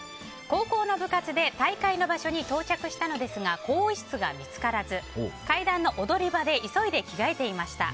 高校の部活で大会の場所に到着したのですが更衣室が見つからず階段の踊り場で急いで着替えていました。